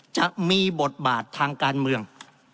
จะมีบทบาททางการเมือง